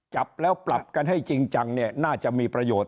จับแล้วปรับกันให้จริงจังเนี่ยน่าจะมีประโยชน